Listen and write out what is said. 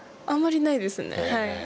あんまりないですね。